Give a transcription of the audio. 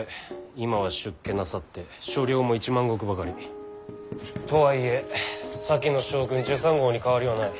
今は出家なさって所領も１万石ばかり。とはいえ先の将軍准三后に変わりはない。